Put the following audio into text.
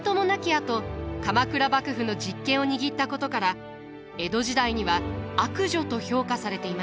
あと鎌倉幕府の実権を握ったことから江戸時代には悪女と評価されていました。